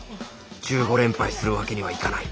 １５連敗するわけにはいかない